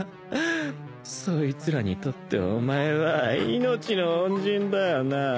そいつらにとってお前は命の恩人だよなぁ。